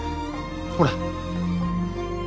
ほら。